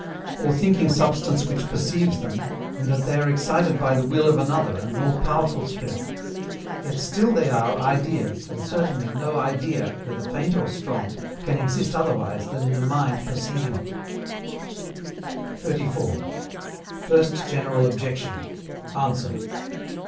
], or thinking substance which perceives them, in that they are excited by the will of another and more powerful spirit; yet still they are IDEAS, and certainly no IDEA, whether faint or strong, can exist otherwise than in a mind perceiving it. 34. FIRST GENERAL OBJECTION. ANSWER.